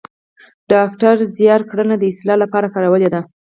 ډاکتر زیار ګړنه د اصطلاح لپاره کارولې ده